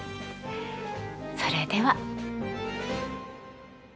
それでは。